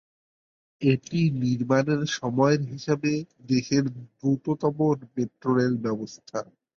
এটি নির্মাণ সময়ের হিসাবে দেশের দ্রুততম মেট্রো রেল ব্যবস্থা।